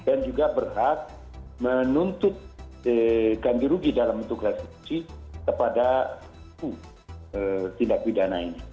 dan juga berhak menuntut ganti rugi dalam bentuk klasik kepada tindak pidana ini